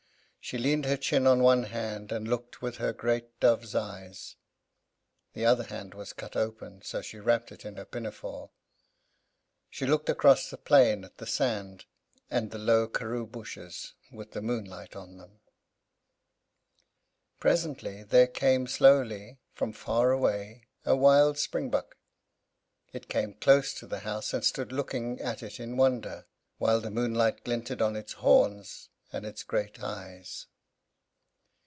She leaned her chin on one hand, and looked, with her great dove's eyes the other hand was cut open, so she wrapped it in her pinafore. She looked across the plain at the sand and the low karoo bushes, with the moonlight on them. Presently, there came slowly, from far away, a wild springbuck. It came close to the house, and stood looking at it in wonder, while the moonlight glinted on its horns, and in its great eyes.